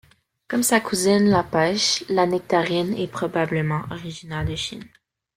Comme sa cousine la pêche, la nectarine est probablement originaire de Chine.